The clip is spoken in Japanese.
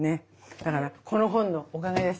だからこの本のおかげです